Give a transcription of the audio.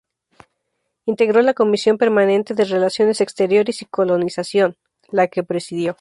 Integró la Comisión Permanente de Relaciones Exteriores y Colonización, la que presidió.